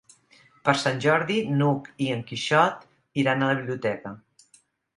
Per Sant Jordi n'Hug i en Quixot iran a la biblioteca.